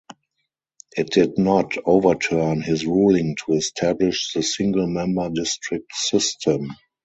It did not overturn his ruling to establish the single-member district system.